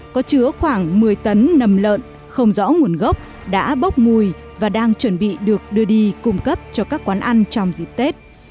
có chứa khoảng một mươi tấn nầm lợn không rõ nguồn gốc đã bốc mùi và đang chuẩn bị được đưa đi cung cấp cho các quán ăn trong dịp tết